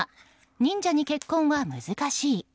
「忍者に結婚は難しい」。